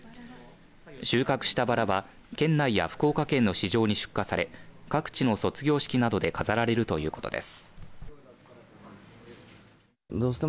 収穫したばらは県内や福岡県の市場に出荷され各地の卒業式などで飾られるということです。